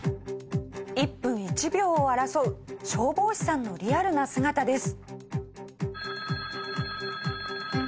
一分一秒を争う消防士さんのリアルな姿です。